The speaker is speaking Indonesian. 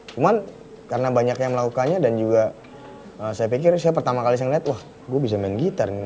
cuman karena banyak yang melakukannya dan juga saya pikir saya pertama kali saya ngeliat wah gue bisa main gitar nih